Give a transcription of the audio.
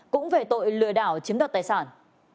cũng về tội lừa đảo chiếm đoạt tài sản